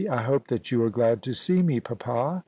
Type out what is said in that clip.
I hope that you are glad to see me, papa.'